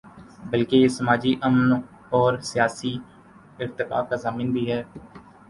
بلکہ یہ سماجی امن اور سیاسی ارتقا کا ضامن بھی ہے۔